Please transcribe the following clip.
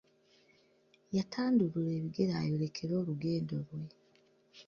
Yatandulula ebigere ayolekere olugendo lwe.